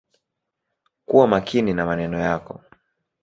Kuwa makini na maneno yako.